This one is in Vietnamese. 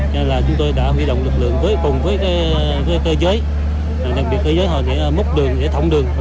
cho nên là chúng tôi đã huy động lực lượng với cơ giới đặc biệt cơ giới họ để múc đường để thống đường